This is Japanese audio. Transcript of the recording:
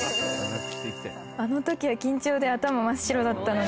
「あの時は緊張で頭真っ白だったので」